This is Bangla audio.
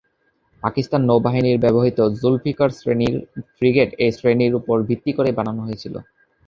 পাকিস্তান নৌবাহিনীর ব্যবহৃত "জুলফিকার শ্রেণি"র ফ্রিগেট এই শ্রেণির উপর ভিত্তি করেই বানানো হয়েছে।